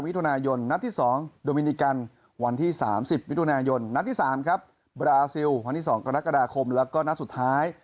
ก็มีส่วนหนึ่งที่ต้องกลับไปแก้ไขเพื่อจะพัฒนาต่อให้ไปสู่สถานศาลนะครับ